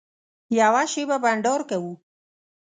یوه شېبه بنډار کوو.